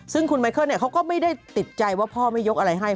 ซึ่งคุณไมเคิลเขาก็ไม่ได้ติดใจว่าพ่อไม่ยกอะไรให้